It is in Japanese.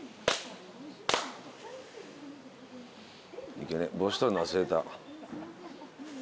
いけねえ帽子取るの忘れた。